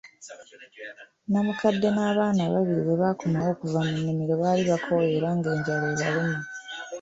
Namukkadde n'abaana ababiri we bakomawo okuva mu nnimiro baali bakooye era ng'enjala ebaluma.